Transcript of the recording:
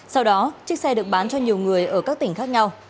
sau đó chiếc xe được bán cho nhiều người ở các tỉnh khác nhau